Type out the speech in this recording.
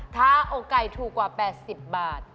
ถ้าอกไก่ถูกกว่า๘๐บาท